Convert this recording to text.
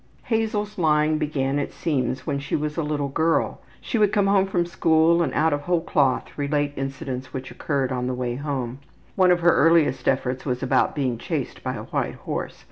Hazel's lying began, it seems, when she was a little girl. She would come home from school and out of whole cloth relate incidents which occurred on the way home. One of her earliest efforts was about being chased by a white horse.